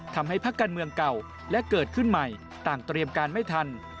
พักการเมืองเก่าและเกิดขึ้นใหม่ต่างเตรียมการไม่ทัน